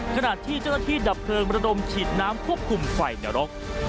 ขณะที่เจ้าหน้าที่ดับเพลิงระดมฉีดน้ำควบคุมไฟนรก